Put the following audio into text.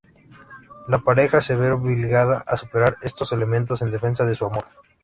La pareja se verá obligada a superar estos elementos en defensa de su amor.